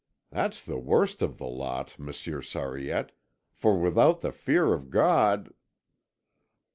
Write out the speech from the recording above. That's the worst of the lot, Monsieur Sariette, for without the fear of God...."